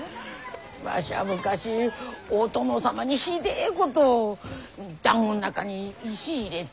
わしゃ昔お殿様にひでえことをだんごの中に石入れて。